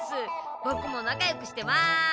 ボクもなかよくしてます。